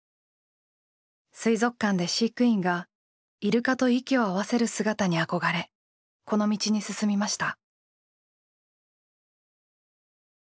水族館で飼育員がイルカと息を合わせる姿に憧れこの道に進みました。